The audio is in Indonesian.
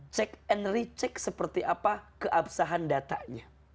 cek and recheck seperti apa keabsahan datanya